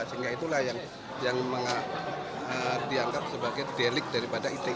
sehingga itulah yang dianggap sebagai delik daripada iti itu